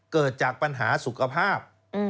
เกิดจากปัญหาสุขภาพ